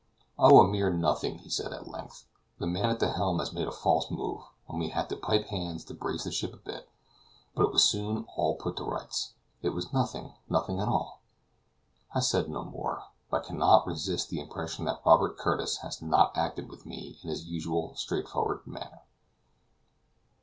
"Oh, a mere nothing," he said at length; "the man at the helm had made a false move, and we had to pipe hands to brace the ship a bit; but it was soon all put to rights. It was nothing, nothing at all." I said no more; but I can not resist the impression that Robert Curtis has not acted with me in his usual straight forward manner.